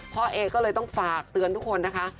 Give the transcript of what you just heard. เอก็เลยต้องฝากเตือนทุกคนนะคะ